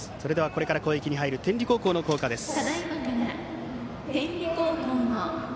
これから攻撃に入る天理高校の校歌です。